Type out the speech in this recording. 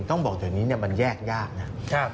ต้องบอกว่าตอนนี้เนี่ยมันแยกยากนะ